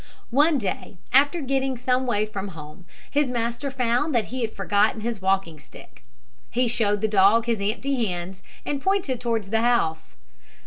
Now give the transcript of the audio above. One day, after getting some way from home, his master found that he had forgotten his walking stick. He showed the dog his empty hands, and pointed towards the house.